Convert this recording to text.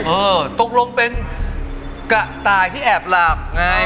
เออตกลงเป็นกระต่ายที่แอบหลับไง